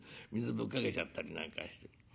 ぶっかけちゃったりなんかして。